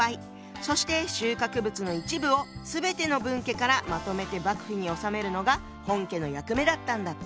そして収穫物の一部を全ての分家からまとめて幕府に納めるのが本家の役目だったんだって。